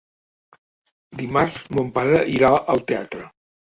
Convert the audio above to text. Dimarts mon pare irà al teatre.